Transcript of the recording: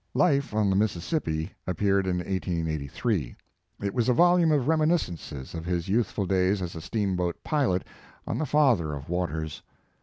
"Life on the Mississippi," appeared in His Ltfe and Work. 143 1883. It was a volume of reminiscences of his youthful days as a steamboat pilot on the father of waters.